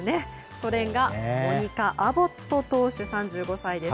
それが、モニカ・アボット投手３５歳です。